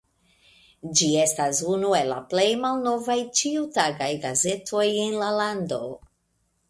Ĝi estas unu el la plej malnovaj ĉiutagaj gazetoj en la lando.